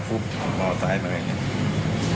พูดมอร์ไซด์อะไรอย่างนี้